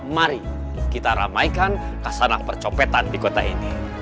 mari kita ramaikan kasanah percopetan di kota ini